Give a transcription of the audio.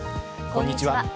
こんにちは。